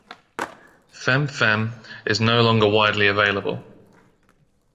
Fen-phen is no longer widely available.